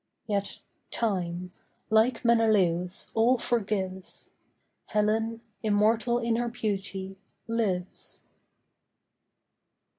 Yet Time, like Menelaus, all forgives. Helen, immortal in her beauty, lives.